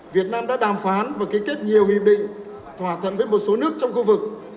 việt nam đã đàm phán và ký kết nhiều hiệp định thỏa thuận với một số nước trong khu vực